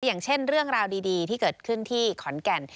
อย่างเช่นเรื่องราวดีที่เกิดขึ้นที่ขอนแก่น